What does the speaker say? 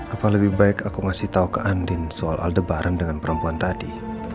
apa lebih baik aku ngasih tau ke andin soal aldebaran dengan perempuan tadi